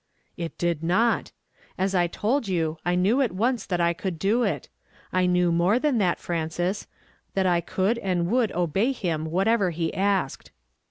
" It did not ! ^Vs I told you, I knew at once that I could do it. I knew more than that, Frances, — that I could and would obey him what ever he asked.